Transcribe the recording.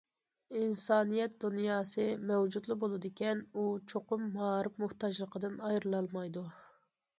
ئىنسانىيەت دۇنياسى مەۋجۇتلا بولىدىكەن، ئۇ چوقۇم مائارىپ موھتاجلىقىدىن ئايرىلالمايدۇ.